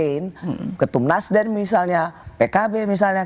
bargain ke tumnasden misalnya pkb misalnya